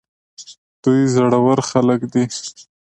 دوی زړه ور خلک دي.